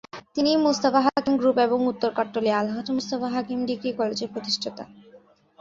তিনি মোস্তফা হাকিম গ্রুপ এবং উত্তর কাট্টলী আলহাজ্ব মোস্তফা হাকিম ডিগ্রী কলেজের প্রতিষ্ঠাতা।